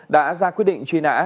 đã ra quyết định truy nã